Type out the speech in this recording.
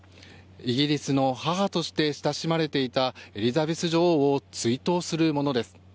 イギリスの母として親しまれていたエリザベス女王を追悼するものです。